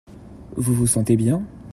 Vous vous sentez bien ?